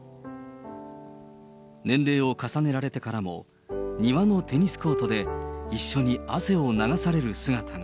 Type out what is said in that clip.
年齢を重ねられてからも、庭のテニスコートで一緒に汗を流される姿が。